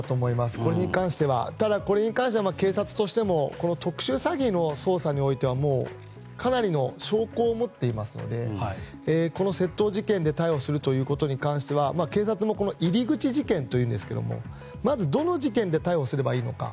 これに関してはただ警察としても特殊詐欺の捜査においてはかなりの証拠を持っていますのでこの窃盗事件で逮捕するということに関しては警察も入り口事件というんですけどまず、どの事件で逮捕すればいいのか。